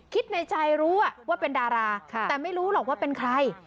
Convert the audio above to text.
คิดในใจรู้ว่าเป็นดาราแต่ไม่รู้หรอกว่าเป็นใคร